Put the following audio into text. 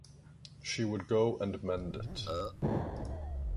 She would go and mend it.